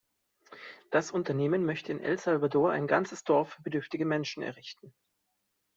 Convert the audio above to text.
Das Unternehmen möchte in El Salvador ein ganzes Dorf für bedürftige Menschen errichten.